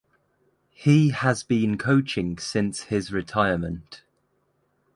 He has been coaching since his retirement.